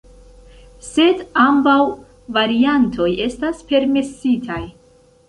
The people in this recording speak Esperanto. Sed ambaŭ variantoj estas permesitaj.